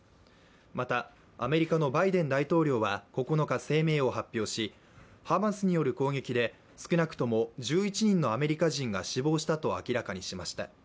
またアメリカのバイデン大統領は９日声明を発表し、ハマスによる攻撃で少なくとも１１人のアメリカ人が死亡したと明らかにしました。